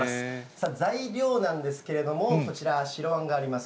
さあ、材料なんですけれども、こちら、白あんがあります。